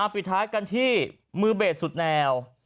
ปิดท้ายกันที่มือเบสสุดแนว